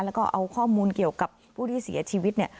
แล้วก็เอาข้อมูลเกี่ยวกับผู้ที่เสียชีวิตเนี่ย